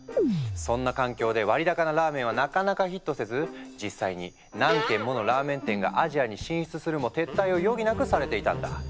そんな環境で割高なラーメンはなかなかヒットせず実際に何軒ものラーメン店がアジアに進出するも撤退を余儀なくされていたんだ。